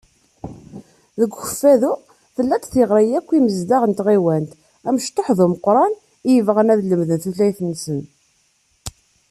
Deg Ukeffadu, tella-d tiɣri i yakk imezdaɣ n tɣiwant, amecṭuḥ d umeqqran, i yebɣan ad lemden tutlayt-nsen.